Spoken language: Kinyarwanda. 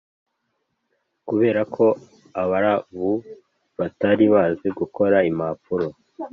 kubera ko abarabu batari bazi gukora impapuro,